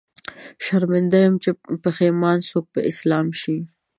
شرمنده يم، چې پښېمان څوک په اسلام شي